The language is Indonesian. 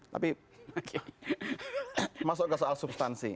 tapi masuk ke soal substansi